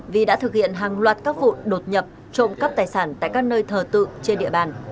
vì đã thực hiện hàng loạt các vụ đột nhập trộm cắp tài sản tại các nơi thờ tự trên địa bàn